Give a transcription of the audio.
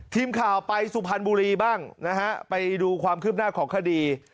ทีมข่าวไปสุพรรณบุรีบ้างนะฮะไปดูความคืบหน้าของคดี